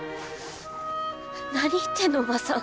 何言ってんのおばさん